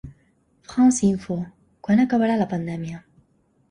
Franceinfo: Quan acabarà la pandèmia?